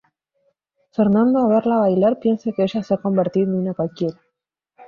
Fernando a verla bailar piensa que ella se ha convertido en una cualquiera.